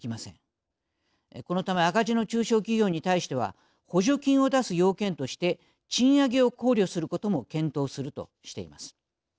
このため赤字の中小企業に対しては補助金を出す要件として賃上げを考慮することも検討するとしています。